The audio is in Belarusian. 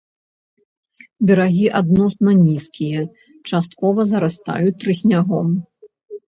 Берагі адносна нізкія, часткова зарастаюць трыснягом.